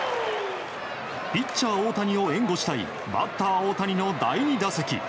ピッチャー大谷を援護したいバッター大谷の第２打席。